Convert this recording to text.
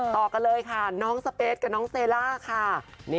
ต่อกันเลยค่ะน้องสเปสกับน้องเซล่าค่ะ